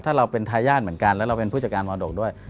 ถ้าเราเป็นทายาทเหมือนกันแล้วเราเป็นผู้จัดการมรดกด้วย